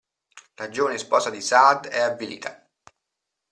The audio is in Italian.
La giovane sposa di Saad è avvilita.